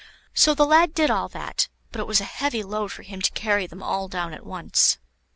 So the lad did all that; but it was a heavy load for him to carry them all down at once.